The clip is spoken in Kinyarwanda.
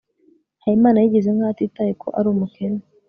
habimana yigize nkaho atitaye ko ari umukene